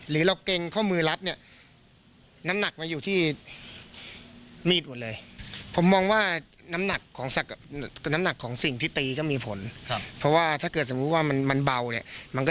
ตรงกลางหรือเราเกิ่งข้อมือรับเ